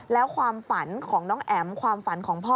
แล้วความฝันของน้องแอ๋มความฝันของพ่อ